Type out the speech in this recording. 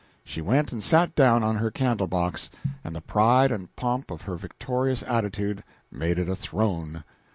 She went and sat down on her candle box, and the pride and pomp of her victorious attitude made it a throne.